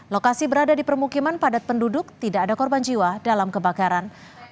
lokasi berada di permukiman padat penduduk tidak ada korban jiwa dalam kebakaran